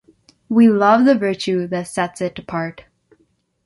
We love the virtue that sets it apart.